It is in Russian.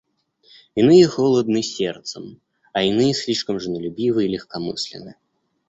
Иные холодны сердцем, а иные слишком женолюбивы и легкомысленны.